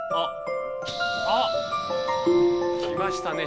あっ来ましたね